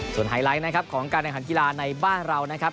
ส่วนไฮไลท์นะครับของการแข่งขันกีฬาในบ้านเรานะครับ